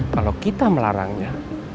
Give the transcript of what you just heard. kalau kita melarangnya